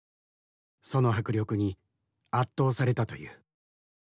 その迫力に圧倒されたという。